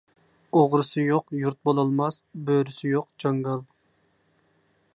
ئوغرىسى يوق يۇرت بولماس، بۆرىسى يوق جاڭگال.